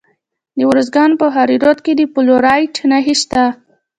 د ارزګان په دهراوود کې د فلورایټ نښې شته.